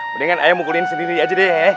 mendingan ayah mukulin sendiri aja deh